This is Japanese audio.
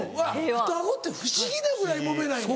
双子って不思議なぐらいもめないねん。